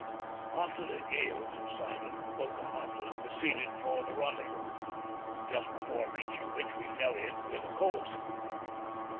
After the gale subsided, the Pocahontas proceeded for the rendezvous, just before reaching which we fell in with a coal schooner.